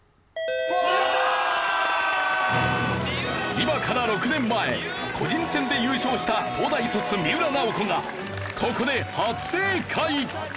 今から６年前個人戦で優勝した東大卒三浦奈保子がここで初正解！